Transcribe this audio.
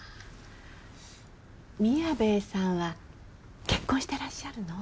宮部さんは結婚してらっしゃるの？